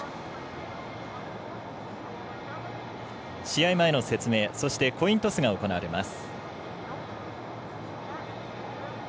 試合前の説明、そしてコイントスが行われます。